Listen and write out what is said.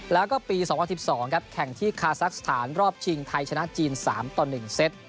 แล้วก็ปี๒๐๑๒ครับแข่งที่คาซักสถานรอบชิงไทยชนะจีน๓ต่อ๑เซต